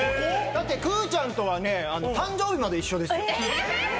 くぅちゃんとはね誕生日まで一緒ですよ。